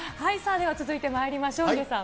では続いてまいりましょう、ヒデさん。